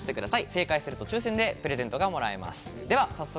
正解すると抽選でプレゼントがもらえます。